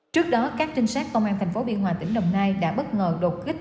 trước đó các trinh sát công an thành phố biên hòa tỉnh đồng nai đã bất ngờ đột kích